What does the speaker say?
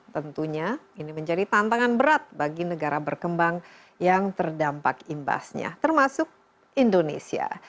tentunya ini menjadi tantangan berat bagi negara berkembang yang terdampak imbasnya termasuk indonesia